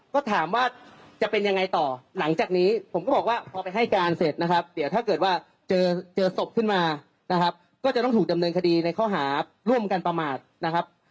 ก็ถามว่าจะเป็นยังไงต่อหลังจากนี้ผมก็บอกว่าพอไปให้การเสร็จนะครับเดี๋ยวถ้าเกิดว่าเจอศพขึ้นมานะครับก็จะต้องถูกดำเนินคดีในข้อหาร่วมกันประมาทนะครับ